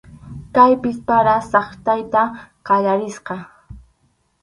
Kaypis para saqtayta qallarisqa.